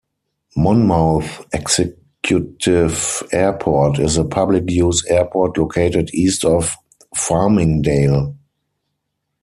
Monmouth Executive Airport is a public-use airport located east of Farmingdale.